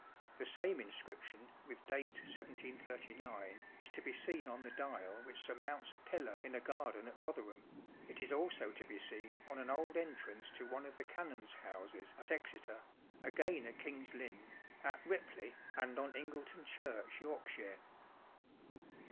The same inscription with date 1739 is to be seen on the dial which surmounts a pillar in a garden at Rotherham ; it is also to be seen on an old entrance to one of the canons 1 houses at Exeter, again at King's Lynn, at Ripley, and on Ingleton Church, Yorkshire.